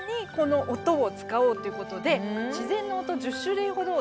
自然の音１０種類ほどをですね